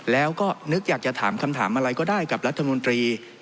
แล้วก็นึกอยากจะถามคำถามอะไรก็ได้กับรัฐมนตรี